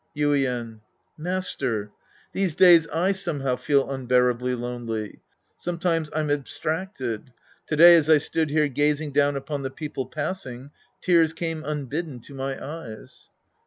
Yuien. Master. These days I somehow feel un bearably lonely. Sometimes I'm abstracted. To day ns I stood here gazing down upon the people passing, t ;ars came unbidden to my eyes.